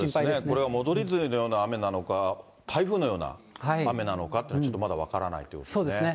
これは戻り梅雨のような雨なのか、台風のような雨なのかっていうのがちょっとまだ分からないというそうですね。